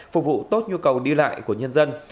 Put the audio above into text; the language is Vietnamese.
phục vụ tốt nhu cầu đi lại của nhân dân